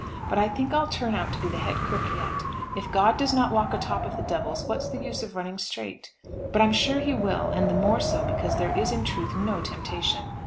But I think I'll turn out to be head cook yet. If God does not walk atop of the devils what's the use of running straight? But I am sure he will, and the more so because there is in truth no temptation.